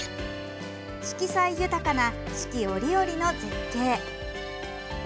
色彩豊かな四季折々の絶景。